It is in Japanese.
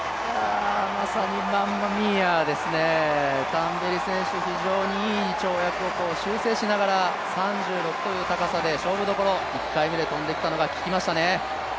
まさにマンマミーアですね、タンベリ選手、非常にいい跳躍を修正しながら、３６という高さで勝負どころ、１回目で跳んできたのがききましたね。